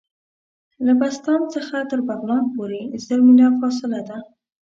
له بسطام څخه تر بغلان پوري زر میله فاصله ده.